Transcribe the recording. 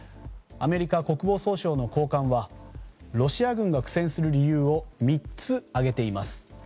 アメリカ国防総省の高官はロシア軍が苦戦する理由を３つ挙げています。